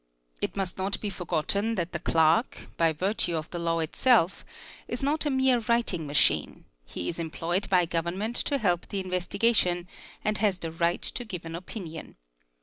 It must not be forgotten that the clerk, by virtute of the law itself, is not a mere writing machine; he is employed by Government to help the investigation, and has the right to give an opinion.